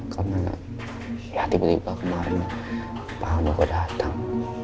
karena ya tiba tiba kemarin pak al mau ke datang